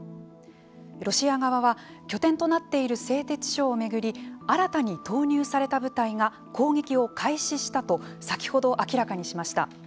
ロシア側は拠点となっている製鉄所を巡り新たに投入された部隊が攻撃を開始したと先ほど明らかにしました。